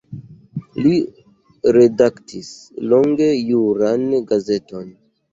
Li redaktis longe juran gazeton.